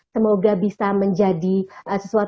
semoga bisa menjadi sesuatu yang bermanfaat